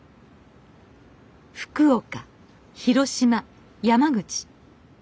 福岡広島山口。